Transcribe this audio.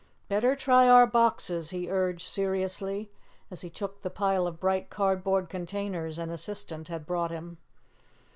"Better try our boxes," he urged seriously, as he took the pile of bright cardboard containers an assistant had brought him.